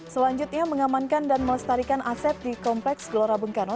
selanjutnya mengamankan dan melestarikan aset di kompleks gelora bung karno